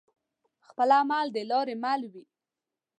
خپل عمل دلاري مل وي